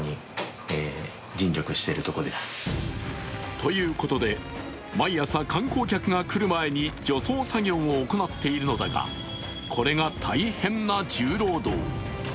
ということで毎朝観光客が来る前に除草作業を行っているのだがこれが大変な重労働。